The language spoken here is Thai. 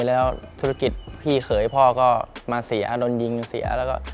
แล้วธุรกิจพี่เขยพ่อก็มาเสียโดนยิงเสียแล้วก็